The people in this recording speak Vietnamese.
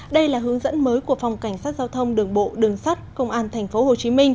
đây là hướng dẫn mới của phòng cảnh sát giao thông đường bộ đường sắt công an tp hcm